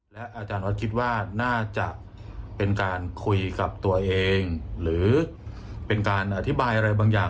และอาจารย์วัดคิดว่าน่าจะเป็นการคุยกับตัวเองหรือเป็นการอธิบายอะไรบางอย่าง